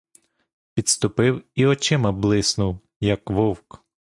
Підступив і очима блиснув, як вовк.